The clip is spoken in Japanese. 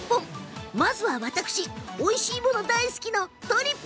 まずは、おいしいもの大好きのとりっ